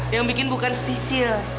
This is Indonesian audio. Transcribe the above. yang bikin bukan sisil